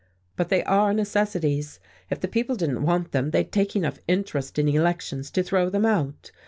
But they are necessities. If the people didn't want them, they'd take enough interest in elections to throw them out.